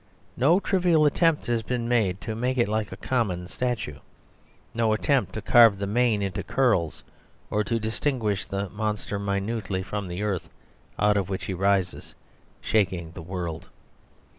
No trivial attempt has been made to make it like a common statue; no attempt to carve the mane into curls, or to distinguish the monster minutely from the earth out of which he rises, shaking the world.